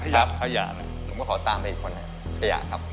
ครับขยะนะผมก็ขอตามไปอีกคนนึงขยะครับ